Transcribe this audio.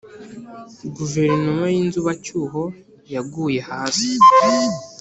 guverinoma y inzibacyuho yaguye hasi